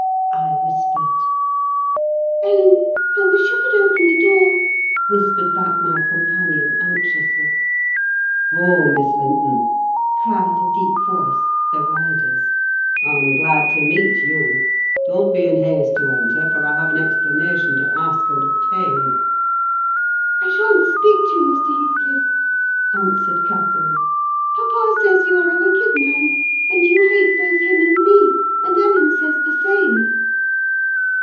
I whispered. "Ellen, I wish you could open the door," whispered back my companion, anxiously. "Ho, Miss Linton!" cried a deep voice (the rider's), "I'm glad to meet you. Don't be in haste to enter, for I have an explanation to ask and obtain." "I sha'n't speak to you, Mr. Heathcliff," answered Catherine. "Papa says you are a wicked man, and you hate both him and me; and Ellen says the same."